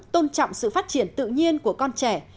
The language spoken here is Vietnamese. tôn trọng sự phát triển tự nhiên của con trẻ